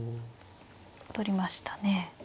取りましたね。